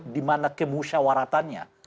di mana kemusyawaratannya